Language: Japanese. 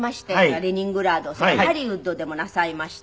レニングラードそれからハリウッドでもなさいまして。